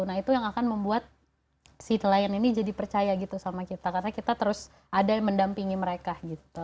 nah itu yang akan membuat si nelayan ini jadi percaya gitu sama kita karena kita terus ada mendampingi mereka gitu